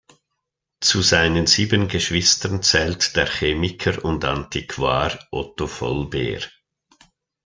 Zu seinen sieben Geschwistern zählt der Chemiker und Antiquar Otto Vollbehr.